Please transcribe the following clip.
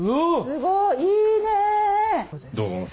すごい！いいね！